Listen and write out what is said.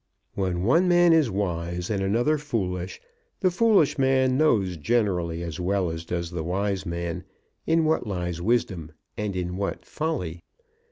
When one man is wise and another foolish, the foolish man knows generally as well as does the wise man in what lies wisdom and in what folly.